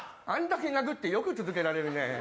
あんだけ殴ってよく続けられるね。